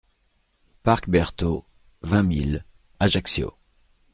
Parc Berthault, vingt mille Ajaccio